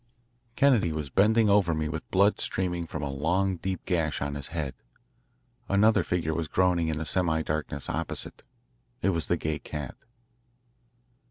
Kennedy was bending over me with blood streaming from a long deep gash on his head. Another figure was groaning in the semi darkness opposite; it was the Gay Cat.